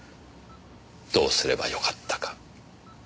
どうすればよかったか。